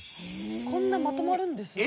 こんなまとまるんですね。